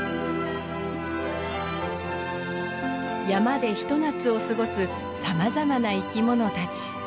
山でひと夏を過ごすさまざまな生き物たち。